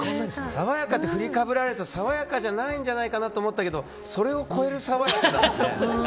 爽やかって振りかぶられると爽やかじゃないんじゃないかと思ったけどそれを超える爽やかだ。